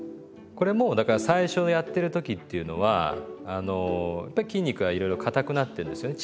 これもだから最初やってる時っていうのはやっぱり筋肉がいろいろかたくなってるんですよね